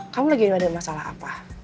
kamu lagi gak ada masalah apa